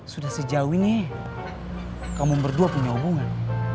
sudah sejauh ini kamu berdua punya hubungan